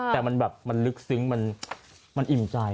แต่มันลึกซึ้งมันอิ่มใจ